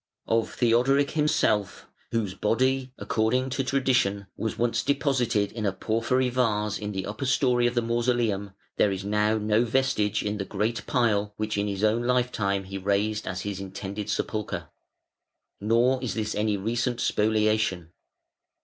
Of Theodoric himself, whose body, according to tradition, was once deposited in a porphyry vase in the upper storey of the mausoleum, there is now no vestige in the great pile which in his own life time he raised as his intended sepulchre. Nor is this any recent spoliation.